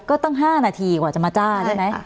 ก็ตั้ง๕นาทีกว่าจะมาจ้าใช่ไหม